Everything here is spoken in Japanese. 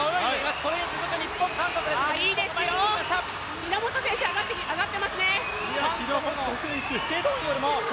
日本選手、上がっていますね